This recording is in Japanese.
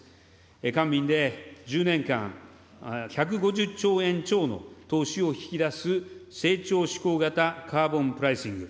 官民で１０年間、１５０兆円超の投資を引き出す成長志向型カーボンプライシング。